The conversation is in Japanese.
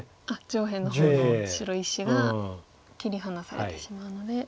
上辺の方の白１子が切り離されてしまうので。